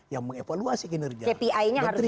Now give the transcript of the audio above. yang mengevaluasi kinerja kpi nya harus